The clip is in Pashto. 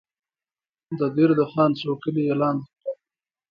د دیر د خان څو کلي یې لاندې کړل.